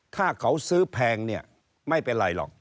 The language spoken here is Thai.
ถ้าเขาซื้อแพงเนี่ยไม่เป็นไรหรอก